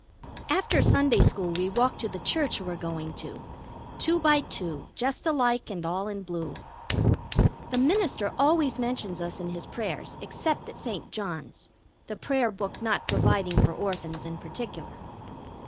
After Sunday school we walk to the church we're going to, two by two, just alike and all in blue. The minister always mentions us in his prayers, except at St. John's, the prayer book not providing for Orphans in particular.